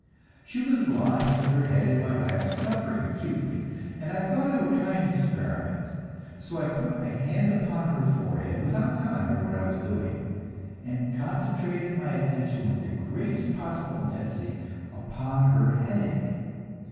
She was lying with her head in my lap, suffering acutely, and I thought I would try an experiment, so I put my hand upon her forehead, without telling her what I was doing, and concentrated my attention with the greatest possible intensity upon her headache.